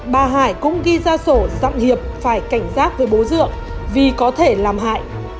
bà hải cũng ghi ra sổ rằng hiệp phải cảnh giác với bố dượng vì có thể làm hại